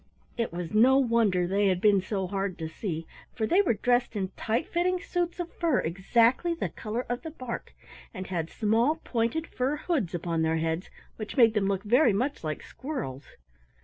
It was no wonder they had been so hard to see, for they were dressed in tight fitting suits of fur exactly the color of the bark, and had small pointed fur hoods upon their heads which made them look very much like squirrels.